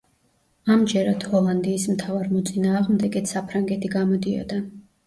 ამჯერად ჰოლანდიის მთავარ მოწინააღმდეგედ საფრანგეთი გამოდიოდა.